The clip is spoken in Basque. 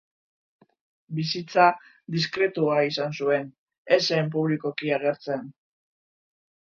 Bizitza diskretua izan zuen, ez zen publikoki agertzen.